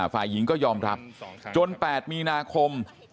ฝ่ายหญิงก็ยอมรับจน๘มีนาคม